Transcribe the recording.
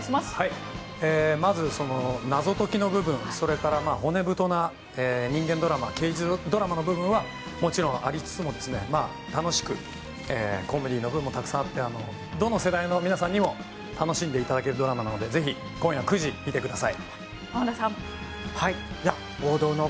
まず、謎解きの部分それから骨太な人間ドラマ、刑事ドラマの部分はもちろんありつつ楽しく、コメディーの部分もたくさんあってどの世代の皆さんにも楽しんでいただけるドラマなのでぜひ今夜９時、見てください。